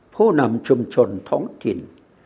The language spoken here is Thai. ผู้นำชุมชนท้องถิ่น